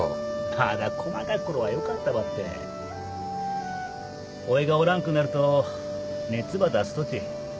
まだこまかころはよかったばっておぃがおらんくなると熱ば出すとち。